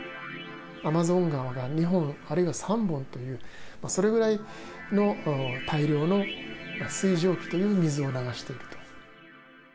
アマゾン川が２本、あるいは３本という、それぐらいの大量の水蒸気という水を流していると。